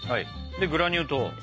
でグラニュー糖。